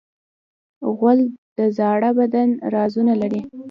غول د زاړه بدن رازونه لري.